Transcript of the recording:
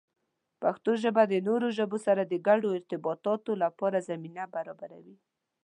پښتو ژبه د نورو ژبو سره د ګډو ارتباطاتو لپاره زمینه برابروي.